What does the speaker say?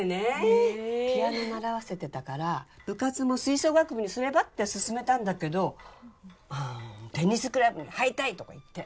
ピアノ習わせてたから部活も吹奏楽部にすれば？って勧めたんだけど「テニスクラブに入りたい」とか言って。